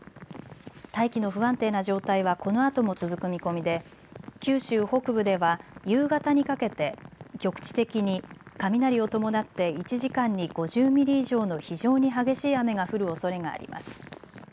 大気の不安定な状態はこのあとも続く見込みで九州北部では夕方にかけて局地的に雷を伴って１時間に５０ミリ以上の非常に激しい雨が降るおそれがあります。